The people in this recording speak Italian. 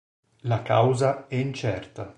La causa è incerta.